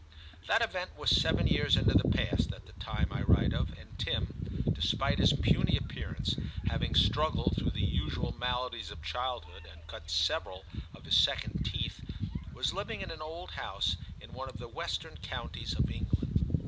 That event was seven years into the past at the time I write of, and Tim, despite his puny appearance, having struggled through the usual maladies of childhood, and cut several I TIM 3 of his second teeth, was living in an old house in one of the western counties of England.